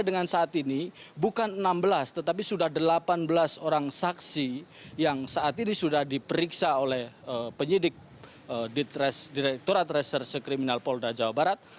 dengan saat ini bukan enam belas tetapi sudah delapan belas orang saksi yang saat ini sudah diperiksa oleh penyidik direkturat reserse kriminal polda jawa barat